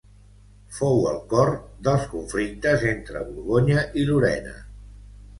Fou al cor dels conflictes entre Borgonya i Lorena.